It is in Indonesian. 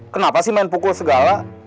kenapa sih main pukul segala